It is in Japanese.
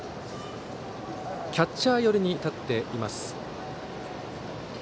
キャッチャー寄りに立っています。